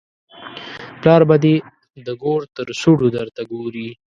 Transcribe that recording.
پلار به دې د ګور تر سوړو درته ګوري.